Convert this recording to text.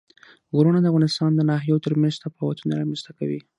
غرونه د افغانستان د ناحیو ترمنځ تفاوتونه رامنځ ته کوي.